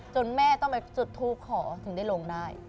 แม่ต้องไปจุดทูปขอถึงได้ลงได้